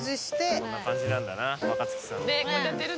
こんな感じなんだな若槻さん。